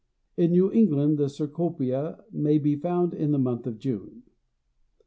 In New England the cecropia may be found in the month of June.